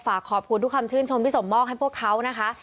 ฝากขอบคุณทุกคำชื่นชมที่ส่งมอบให้พวกเขานะคะ